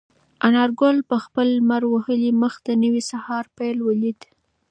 انارګل په خپل لمر وهلي مخ د نوي سهار پیل ولید.